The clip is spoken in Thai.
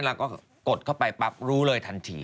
แล้วก็กดเข้าไปปั๊บรู้เลยทันที